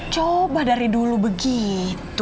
coba dari dulu begitu